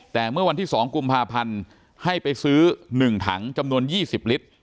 แต่เมื่อวันที่๒กุมภาพันธ์ให้ไปซื้อ๑ถังจำนวน๒๐ลิตร